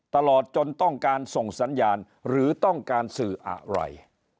ตลอดจนต้องการส่งสัญญาณหรือต้องการสื่ออะไร